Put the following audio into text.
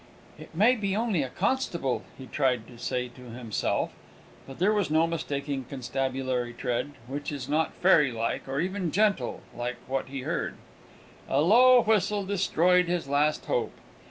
"It may be only a constable," he tried to say to himself; but there is no mistaking the constabulary tread, which is not fairy like, or even gentle, like that he heard. A low whistle destroyed his last hope.